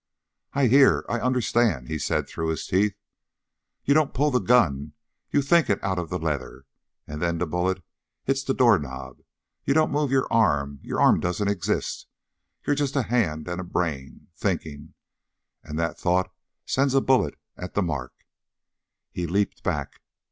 "I hear; I understand!" he said through his teeth. "You don't pull the gun. You think it out of the leather. And then the bullet hits the doorknob. You don't move your arm. Your arm doesn't exist. You're just a hand and a brain thinking! And that thought sends a bullet at the mark!" He leaped back.